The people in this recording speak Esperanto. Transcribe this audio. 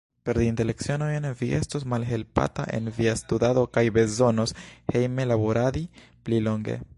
Perdinte lecionojn, vi estos malhelpata en via studado kaj bezonos hejme laboradi pli longe.